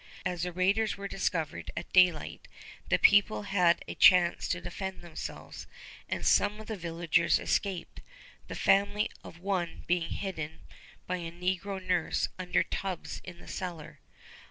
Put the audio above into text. As the raiders were discovered at daylight, the people had a chance to defend themselves, and some of the villagers escaped, the family of one being hidden by a negro nurse under tubs in the cellar.